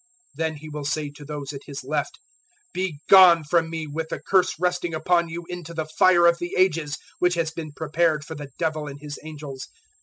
025:041 "Then will He say to those at His left, "`Begone from me, with the curse resting upon you, into the Fire of the Ages, which has been prepared for the Devil and his angels.